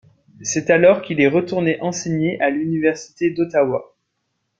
C'est alors qu'il est retourné enseigner à l'Université d'Ottawa.